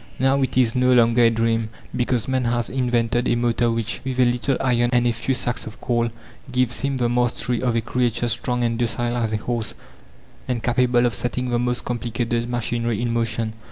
Now it is no longer a dream, because man has invented a motor which, with a little iron and a few sacks of coal, gives him the mastery of a creature strong and docile as a horse, and capable of setting the most complicated machinery in motion.